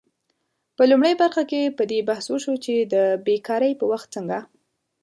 په لومړۍ برخه کې په دې بحث وشو چې د بیکارۍ په وخت څنګه